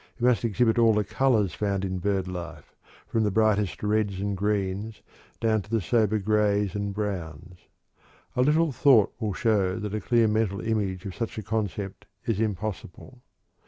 It must exhibit all the colors found in bird life, from the brightest reds and greens down to the sober grays and browns. A little thought will show that a clear mental image of such a concept is impossible.